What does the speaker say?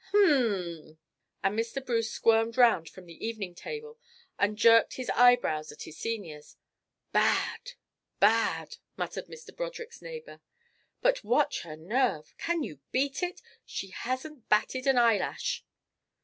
H'm!" and Mr. Bruce squirmed round from the "evening table" and jerked his eyebrows at his senior. "Bad! Bad!" muttered Mr. Broderick's neighbour. "But watch her nerve. Can you beat it? She hasn't batted an eyelash."